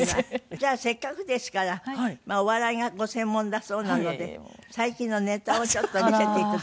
じゃあせっかくですからお笑いがご専門だそうなので最近のネタをちょっと見せて頂いてよろしいですか？